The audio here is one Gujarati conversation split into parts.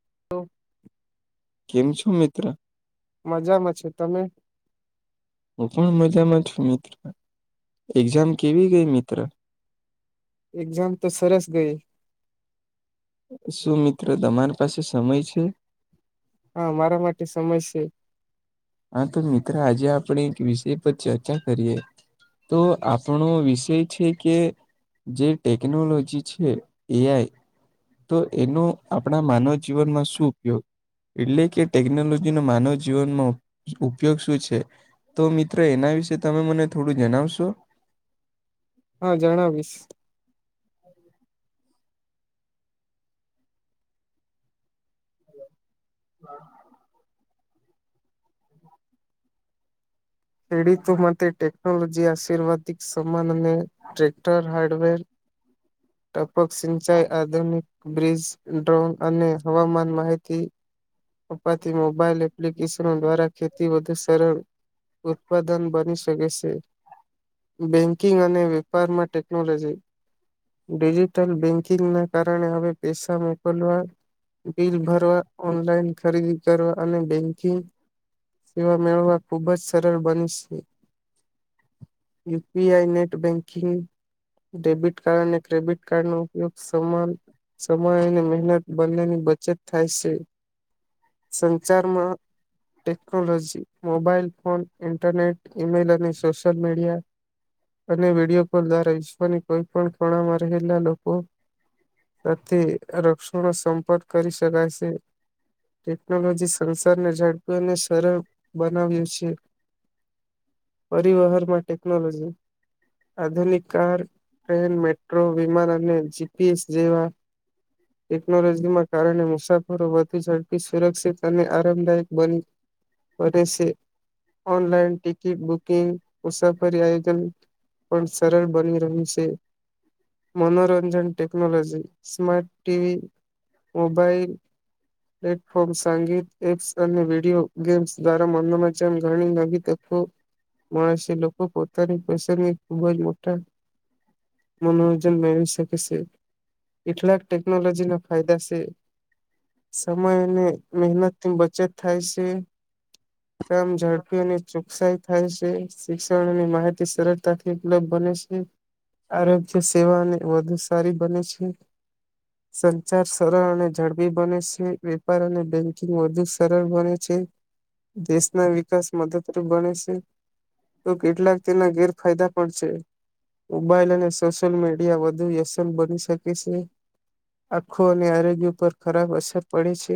[inaudible] કેમ છો મિત્ર? મજામાં છે તમે? હું પણ મજામાં છું મિત્ર એક્ઝામ કેવી ગઈ મિત્ર? એક્ઝામ તો સરસ ગઈ. શું મિત્ર તમારી પાસે સમય છે? હા મારા માટે સમય છે. હા તો મિત્ર આજે આપણે એક વિષય પર ચર્ચા કરીએ? તો આપણો વિષય છે કે જે ટેકનોલોજી છે એ આઈ- - તો એનો આપણા માનવ જીવનમાં શું ઉપયોગ? એટલે કે ટેકનોલોજી ન માનવ જીવનમાં- - ઉપયોગ શું છે તો મિત્રો એના વિશે તમે મને થોડું જણાવશો? હા જણાવીશ. હા. ખેડૂતો માટે ટેકનોલોજી આશીર્વાદિક સમાન અને ટ્રેક્ટર હાર્ડવેર ટપક સિંચાઈ આધુનિક બ્રિજ ડ્રોન અને હવામાન માહિતી- - અપાતી મોબાઈલ એપ્લિકેશનો દ્વારા ખેતી વધુ સરળ ઉત્પાદન બની શકે છે. બેંકિંગ અને વેપારમાં ટેકનોલોજી- - ડિજિટલ બેંકિંગના- - કારણે હવે પૈસા મોકલવા બિલ ભરવા ઓનલાઈન- - ખરીદી કરવા અને બેંકિગ- - સવા મેળવવા ખુબ જ સરળ બન છે. UPI net banking- - debit card અને ક્રેડિટ કાર્ડ ન ઉપયોગ સમાન- - સમય અને મહેનત બંનેની બચત થાય છે. સંચાર માં- - technology mobile phone internet email અને સોશલ મીડિયા- - [inaudible] અને વિડીિયો કોલ દ્વારા વિઈશ્વની કોઈ પણ ખણામાં રહેલા લોકો- - સાથે રક્ષણ નો સંપર્ક કરી શકાય છે. ટેકનોલોજી સંસારને ઝડપી અને સરળ બનાવ્યું છે. પરિવહન માં ટેકનોલોજી આધુનિક કાર ટ્રેન મેટ્રો વિમાન અને જીપીએસ જેવા- ટેકનોલોજીમાં કારણે મુસાફરો વધી જ- - સુરક્ષિત અને આરામદાયક બની કરે છે ઓનલાઈન ટિકિટ- - બુકિંગ ઉપર આયોજન- - પણ સરળ બની રહ્યું છે મનોરંજન- - technology smart TV mobile- - platform સાંગીત એપ્સ અને વિડીયો ગેમ્સ દ્વારા મંમ્મી મરચા ઘણી લાગી તકો- - માણસી લોકો પોતાની પ્રસંદ ખુબ જ મોટા - મનોરંજન મેળવી શકે છે એટલાક ટેકનોલોજી ના ફાયદા છે. સમય અને મહેનત ની બચત થાય છે. કમ ઝડપી અને ચુકસાઈ- - થાય છે શિક્ષણની માહિતી સરળતાથી ઉપલબ્ધ બને છે- - આરોગ્ય સેવા અને વધુ સારી બને છે. સંચાર સરળ અને ઝડબી બને છે. વેપાર અને બેંકિંગ વધુ સરળ બને છે. દેશના વિકાસ મદતરૂપ ગણે છે તો કેટલાક તેના ગેરફાયદા પણ છે મોબાઈલ અને- - સોશિયલ મીડિયા વધુ વ્યસન બની શકે છે. આંખો અને આરોગ્ય ઉપર ખરાબ અસર પડે છે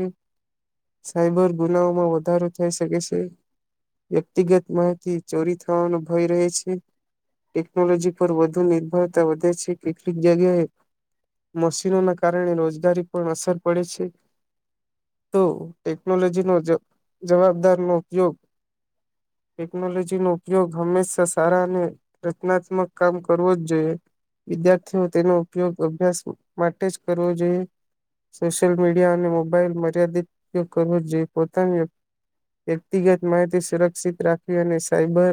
સાયબર ગુનાઓમાં વધારો થઈ શકે છે. વ્યક્તિગત માહિતી ચોરી થવાનો ભય રહે છે. ટેકનોલોજી પર વધુ નિર્ભરતા વધે છે. કેટલીક જગ્યાએ મશીનો ના કારણે રોજગારી પણ અસર પડે છે. તો ટેકનોલોજી નો જવાબદાર નો ઉપયોગ ટેકનોલોજી નો ઉપયોગ હંમેશા સારા અને રચનાત્મક કામ કરવું જ જોઈએ વિદ્યાર્થીઓ તેનો ઉપયોગ અભ્યાસ માટે જ કરવો જોઈએ સોશિયલ મીડિયા અને મોબાઈલ મર્યાદિત ઉપયોગ કરવો જોઈ પોતાની વ્યક્તિગત માહિતી સુરક્ષિત રાખ [unintelligible] [unintelligible] અને સાયબર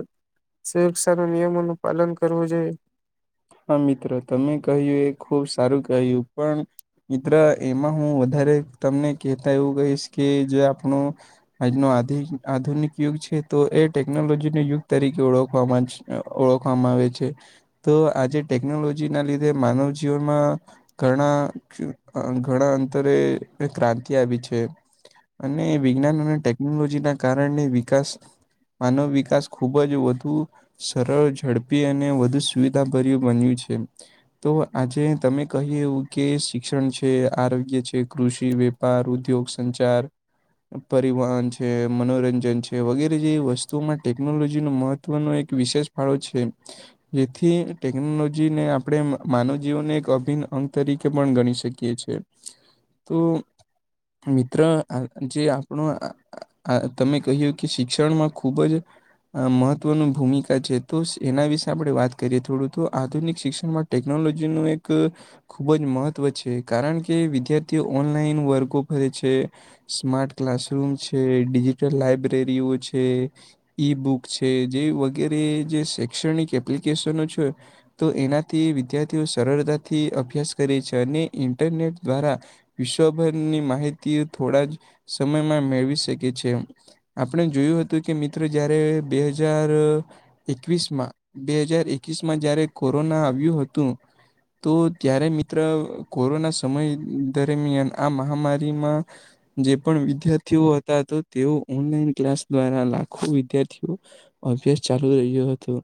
સુરક્ષા ના નિયમોનું પાલન કરવું જોઈએ. હા મિત્ર તમે કહ્યું એ ખુબ સારું કહ્યું પણ મિત્ર એમાં હું વધારે તમને કહેતા એવું કહીશ કે જો આપણું. આજનો આધી આધુનિક યુગ છે તો એ ટેકનોલોજીએ. ને યુગ તરીકે ઓળખવામાં ઓળખવામાં આવે છે. તો આજે ટેકનોલોજી ના લીધે માનવ જીવનમાં.. ઘણા ઘણા અંતરે ક્રાંતિ આવી છે. અને વિજ્ઞાન અને ટેકનોલોજી ના કારણે વિકાસ માનવ વિકાસ ખુબ જ વધુ સરળ ઝડપી અને વધુ સુવિધાભર્યું બન્યું છે. તો આજે તમે કહ્યું એવું કે શિક્ષણ છે આરોગ્ય છે કૃષિ વે પાર ઉદ્યોગ સંચાર પરિવહન છે મનોરંજન છે વગેરે જેવી વસ્તુ માટે ટેકનોલોજી નો મહત્વનો એક વિશેષ ફાળો છે. જેથી ટેકનોલોજીને આપણે માનવ જીવનને એક અભિન્ન અંગ તરીકે પણ ગણી શકીએ છીએ. તો મિત્ર જે આપણો આ આ તમે કહ્યું કે શિક્ષણમાં ખૂબ જ આ મહત્વનું ભૂમિકા છે તો એના વિશે આપડે વાત કરીએ થોડું તો આધુનિક શિક્ષણમાં ટેક્નોલોજી નું એક ખૂબ જ મહત્વ છે કારણ કે વિદ્યાર્થીઓ ઓનલાઈન વર્ગો ભરે છે. સ્માર્ટ ક્લાસરૂમ છે ડિજીિટલ લાઈબ્રેરીઓ છે. ઈ બુક છે જે વગેરે જે શૈક્ષણિક એપ્લિકેશનો છે. તો એનાથી વિદ્યાર્થીઓ સરળતાથી અભ્યાસ કરે છે અને ઇન્ટરનેટ દ્વારા, વિશ્વભરની માહિતી થોડા જ સમયમાં મેળવી શકે છે. આપણે જોયું હતું કે મિત્રો જયારે બે હજાર, એકવીસ માં બે હજાર એકવીસ માં જયારે કોરોના આવ્યું હતું, તો ત્યારે મિત્ર કોરોના સમય દરમિયાન આ મહામારીમાં, જે પણ વિદ્યાર્થીઓ હતા તેઓ ઓનલાઈન ક્લાસ દ્વારા લાગ, ખૂ વિદ્યાર્થીઓ અભ્યાસ ચાલુ રહ્યો હતો.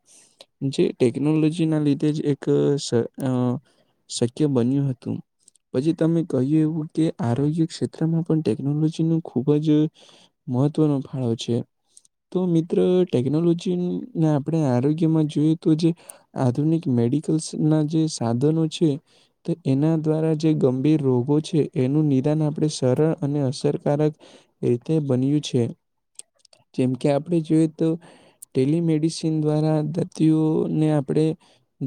જે ટેકનોલોજી ના લીધે જ એક સ અ, શક્ય બન્યું હતું. પછી તમે કહ્યું એવું કે આરોગ્ય ક્ષેત્રમાં પણ ટેકનોલોજી નું ખુબ જ, મહત્વનો ફાળો છે. તો મિત્ર ટેકનોલોજીને આપણે આરોગ્યમાં જોયુ તો જે, આધુનિક મેડિકલ્સ ના જે સાધનો છે. તો એના દ્વારા જે ગંભીર રોગો છે એનું નિદાન આપ, આપણે સરળ અને અસરકારક રીતે બન્યું છે. જેમકે આપણે જોઈએ તો ટેલિમેડિસિન દ્વારા દર્દીઓને આપણે,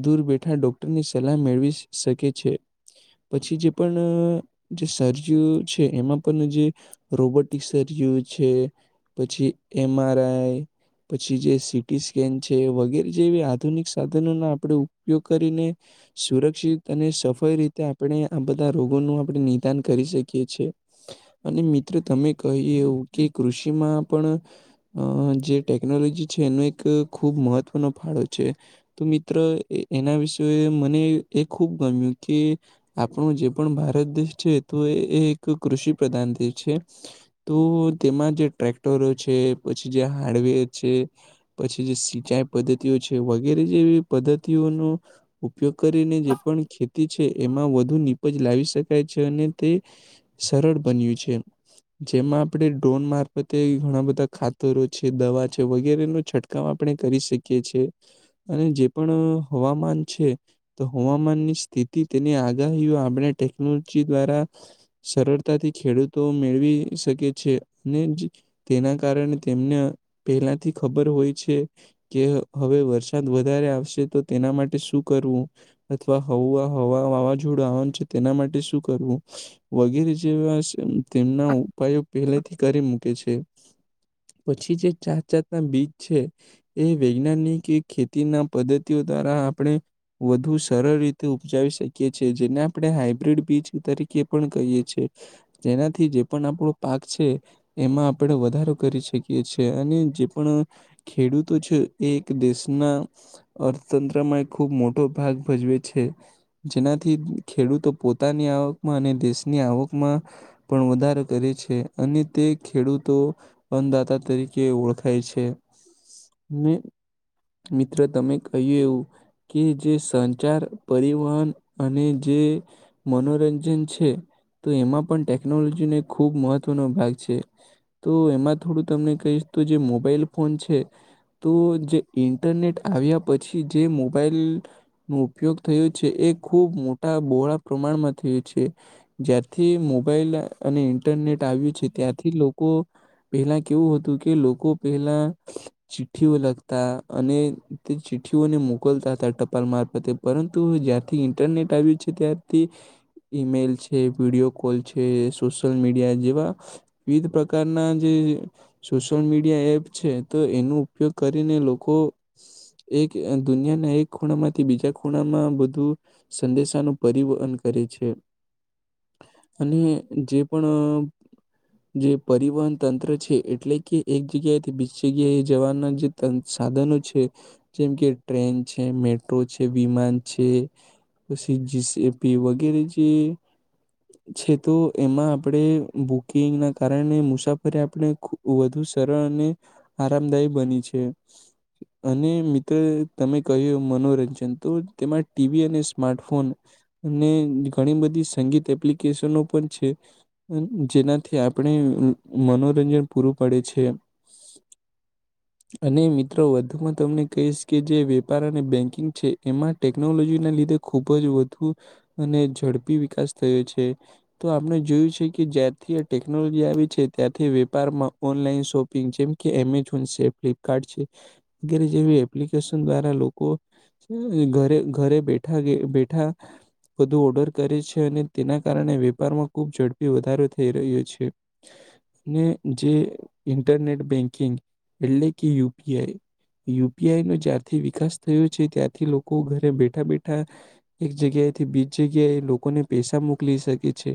દૂર બેઠા ડોક્ટરની સલાહ મેળવી શકે છે. પછી જે પણ જે સર્જીઓ છે એમાં પણ જે, રોબોટિક્સ અજ એવું છે પછી, એમ આર આઈ પછી જે સીટીસ્કેન છે વગેરે, જેવી આધુનિક સાધનો ના આપણે ઉપયોગ કરીને સુરક્ષિત અને, સફળ રીતે આપણે આ બધા રોગોનું આપણે નિદાન કરી શકીએ છે. અને મિત્રો તમે કહી એવું કે કૃષિમાં પણ, અ જે ટેકનોલોજી છે એનો એક ખૂબ મહત્વનો ફાળો છે. તો મિત્ર એના વિશે મને એ ખૂબ ગમ્યું કે, આપણો જે પણ ભારત દેશ છે તો એ એક કૃષિ પ્રધાન દે છે. તો તેમાં જે ટ્રેક્ટરો છે પછી જે હાર્ડવેર છે. પછી જે સિંચાઈ પદ્ધતિઓ છે વગેરે જેવી પદ્ધતિઓનું, ઉપયોગ કરીને જે પણ ખેતી છે એમાં વધુ નીપજ લાવી શકાય છે અને તે, સરળ બન્યું છે જેમાં આપણે ડ્રોન મારફતે ઘણા બ, ધા ખાતરો છે દવા છે વગેરે નો છંટકાવ આપણે કરી શકીએ છે. અને જે પણ હવામાન છે. તો હવામાનની સ્થિતિ તેની આગાહીઓ આપણે ટેકનોલોજી દ્વારા, સરળતાથી ખેડૂતો મેળવી શકે છે અને જ તેના, કારણે તેમને અ પહેલાથી ખબર હોય છે. કે હવે વરસાદ વધારે આવશે તો તેના માટે શું કરવું, અથવા હવું હવા વાવાઝોડું આવેન છે તેના માટે શું કરવું, વગેરે જેવા સ તેમના ઉપાયો પહેલેથી કરી મૂકે છે. પછી જે જાત જાત ના બીજ છે. એ વૈજ્ઞાનિક ખેતી ના પદ્ધતિઓ દ્વારા આપણે, વધુ સરળ રીતે ઉપજાવી શકીએ છીએ જેને આપણે હાઈબ્રિડ બીજ તરીકે પણ કહીએ છે. જેનાથી જે પણ આપણો પાક છે એમાં આપડે વધારે. કરી શકીએ છે અને જે પણ ખેડૂતો છે એ એક દેશના, અર્થતંત્રમાં એ ખુબ મોટો ભાગ ભજવે છે. જેનાથી ખેડૂતો પોતાની આવકમાં અને દેશની આવકમાં, પણ વધારો કરે છે અને તે ખેડૂતો, અન્નદાતા તરીકે ઓળખાય છે ને, મિત્ર તમે કહ્યું એવું, કે જે સંચાર પરિવહન અને જે મનોરંજન છે તો એમાં પણ ટેકનોલોજીને ખૂબ મહત્ત્વનો ભાગ છે તો એમાં થોડું તમને કહીશ તો જે મોબાઈલ ફોન છે તો જે ઇન્ટરનેટ આવ્યા પછી જે મોબાઈલ નો ઉપયોગ થયો છે એ ખૂબ મોટા બોડા પ્રમાણમાં થયું છે જ્યારથી મોબાઈલ અને ઇન્ટરનેટ આવ્યું છે ત્યાંથી લોકો પહેલા કેવું હતું કે લોકો પેલા ચિઠ્ઠીઓ લખતા અને તે ચિઠ્ઠીઓને મોકલતા તા ટપાલ મારફતે પરંતુ જ્યાારથી ઇન્ટરનેટ આવ્યું છે ત્યારથી ઈમેલ છે વિડીયો કોલ છે સોશલ મીડિયા જેવા વિવિધ પ્રકારના જે સોશિયલ મીડિયા એપ છે તો એનો ઉપયોગ કરીને લોકો એક અ દુનિયાના એક ખૂણામાંથી બીજા ખૂણામાં બધું સંદેશાનું પરિવહન કરે છે અને જે પણ જે પરિવહન તંત્ર છે એટલે કે એક જગ્યાએથી બીજી જગ્યાએ જવાના જે સાધનો છે જેમ કે ટ્રેન છે મેટ્રો છે વિમાન છે પછી જી. સી. પી વગેરે જે છે તો એમાં આપણેે બુકિંગ ના કારણે મુસાફ કે આપણે વધુ સરળ અને આરામદાયી બની છે અને મિત્રો તમે કહ્યું મનોરંજન તો તેમાં ટીવી અને સ્માર્ટફોન અને ઘણી બધી સંગીત એપ્લિકેશનો પણ છે જેનાથી આપણે મનોરંજન પૂરું પડે છે અને મિત્રો વધુમાં તમને કહીશ કે જે વેપાર અને બેન્કિંગ છે એમાં ટેકનોલોજીના લીધે ખુબ જ વધુ અને ઝડપી વિકાસ થયો છે તો આપણે જોયું છે કે જ્યારથી આ ટેકનોલોજી આવી છે ત્યાંથી વેપારમાં ઓનલાઈન શોપિંગ જેમ કે એમેઝોન છે ફ્લિપકાર્ટ છે વગેરે જેવી એપ્લિકેશન દ્વારા લોકો ઘરે ઘરે બેઠા બેઠા બધુ ઓર્ડર કરે છે અને તેના કારણે વેપારમાં ખુબ ઝડપી વધારો થઈ રહ્યો છે અને જે ઇન્ટરનેટ બેંકિંગ એટલે કે યુપીઆઈ યુપીઆઈ નો જ્યારથી વિકાસ થયો છે ત્યારથી લોકો ઘરે બેઠા બેઠા એક જગ્યાએથી બીજ જગ્યા એ લોકોને પૈસા મોકલી શકે છે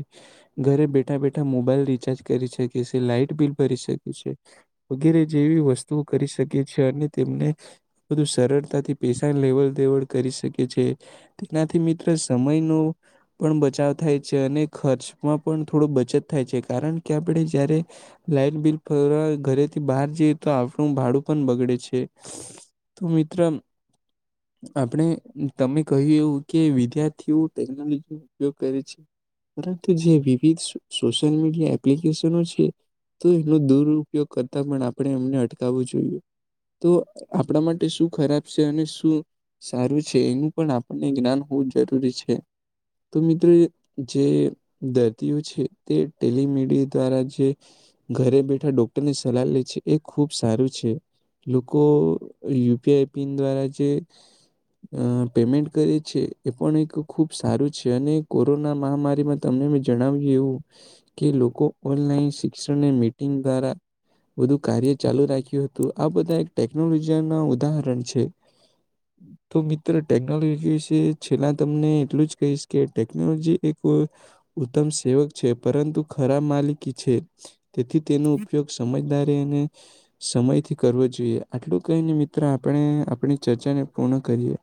ઘરે બેઠા બેઠા મોબાઈલ રિચાર્જ કરી શકે છે લાાઈટ બિલ ભરી શકે છે વગેરે જેવી વસ્તુઓ કરી શકે છે અને તેમને બધું સરળતાથી પૈસાની લેવડ દેવડ કરી શકે છે તેનાથી મિત્ર સમયનો પણ બચાવ થાય છે અને ખર્ચમાં પણ થોડો બચત થાય છે કારણ કે આપણે જયારે લાઈટ બિલ ફર ઘરેથી બહાર જઈ તો આપણું ભાડું પણ બગડે છે તો મિત્ર આપણે તમે કહ્યું એવું કે વિદ્યાર્થીઓ ટેકનોલોજી નો ઉપયોગ કરે છે પરંતુ જે વિવિ સોશલ મીડયા એપ્ તો એનો દુરપયોગ કરતા પણ આપણે એમને અટકાવવો જોઈએ તો આપણા માટે શું ખરાબ છે અને શું સારું છે એનું પણ આપણને જ્ઞાન હોવું જ જરૂરી છે તો મિત્રો જે દર્દીઓ છે તે ટેલમીડિયા દ્વારા જે ઘરે બેઠા ડોક્ટરની સલાહ લે છે એ ખુબ સારું છે લોકો યુપીઆઈ પિન દ્વારા જે અ પેમેન્ટ કરી છે એ પણ એક ખુબ સારું છે અને કોરોના મહામારીમાં તને મે જણાવ્યું એવું કે લોકો ઓનલાઈન શિક્ષણ મીટિંગ દ્વારા બુંઘુ કાર્ય ચાલુ રાખ્યું હતું આ બધા એક ટેકનોલોજી ના ઉદાહરણ છે. હમ [inaudible] તો મિત્ર ટેકનોલોજી વિશે છેલ્લા તમને એટલું જ કહીશ કે ટેકનોલોજી એક ઉત્તમ સેવક છે પરંતુ ખરાબ માલિક કિ છે તેથી તેનો ઉપયોગ સમજદારી અને સમયથી કરવો જોઈએ આટલું કહી ને મિત્ર આપણે આપણી ચર્ચાને પૂર્ણ કરીએ.